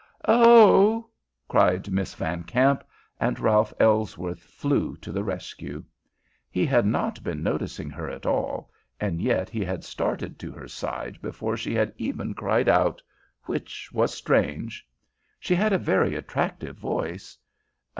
"Oh!" cried Miss Van Kamp, and Ralph Ellsworth flew to the rescue. He had not been noticing her at all, and yet he had started to her side before she had even cried out, which was strange. She had a very attractive voice.